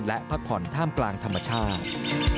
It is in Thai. และพักผ่อนท่ามกลางธรรมชาติ